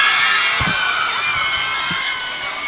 ไม่ต่อนิกนิดนึงครับ